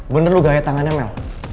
bener loh gaya tangannya mel